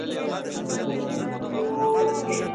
له ما يې هر وختې په نه خبره سر غوښتی دی